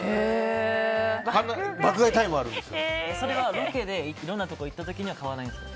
それはロケでいろんなところ行った時は買わないんですか？